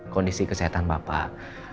kondisi kesehatan bapak